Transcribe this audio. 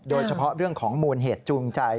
โดยเฉพาะเรื่องของมูลเหตุจูงใจ